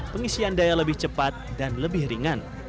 pengisian daya lebih cepat dan lebih ringan